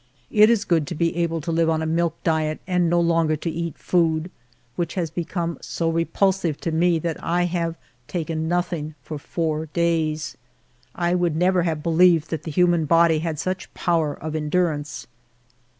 It is good to be able to live on a milk diet and no longer to eat food, which has become so repulsive to me that I have taken nothing for four days. I would never have believed that the human body had such power of endurance.